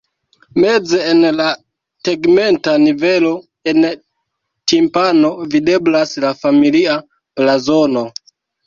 Meze en la tegmenta nivelo en timpano videblas la familia blazono.